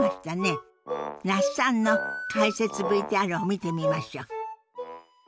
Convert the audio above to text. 那須さんの解説ＶＴＲを見てみましょう。